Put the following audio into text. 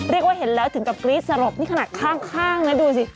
เห็นแล้วถึงกับกรี๊ดสลบนี่ขนาดข้างนะดูสิ